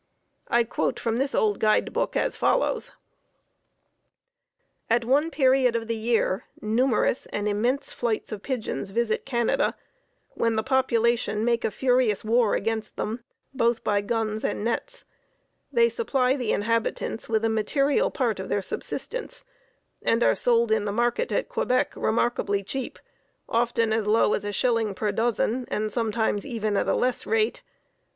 I quote from this old guide book as follows: [Illustration: PIGEON NET Taken from an old etching] "At one period of the year numerous and immense flights of pigeons visit Canada, when the population make a furious war against them both by guns and nets; they supply the inhabitants with a material part of their subsistence, and are sold in the market at Quebec remarkably cheap, often as low as a shilling per dozen, and sometimes even at a less rate.